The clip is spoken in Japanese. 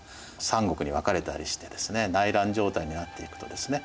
三国に分かれたりしてですね内乱状態になっていくとですね